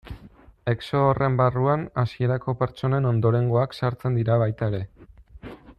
Exodo horren barruan hasierako pertsonen ondorengoak sartzen dira baita ere.